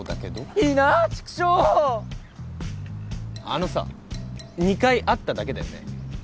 あのさ２回会っただけだよね？